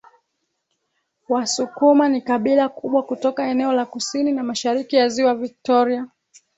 Wasukuma ni kabila kubwa kutoka eneo la kusini na mashariki ya Ziwa Viktoria